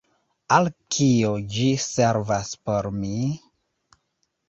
Al kio ĝi servas por mi?